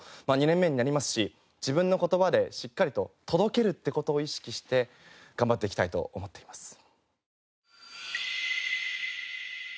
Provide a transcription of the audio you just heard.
まあ２年目になりますし自分の言葉でしっかりと届けるって事を意識して頑張っていきたいと思っています。